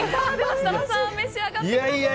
設楽さん召し上がってください。